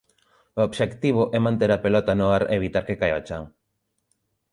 O obxectivo é manter a pelota no ar e evitar que caia ó chan.